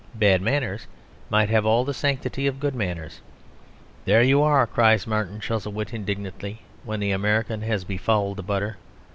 Bad manners might have all the sanctity of good manners. "There you are!" cries Martin Chuzzlewit indignantly, when the American has befouled the butter.